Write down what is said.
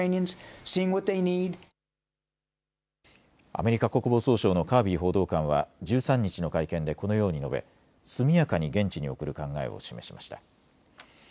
アメリカ国防総省のカービー報道官は１３日の会見でこのように述べ速やかに現地に送る考えを示しました。